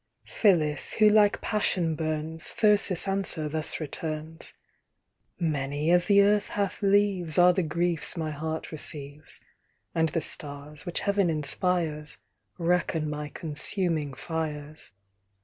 Phillis, who like passion burns, Thirsis answer thus returns: "Many, as the Earth hath leaves, Are the griefs my heart receives; And the stars, which Heaven inspires, Reckon my consuming fires."